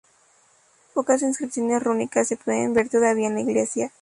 Pocas inscripciones rúnicas se pueden ver todavía en la iglesia.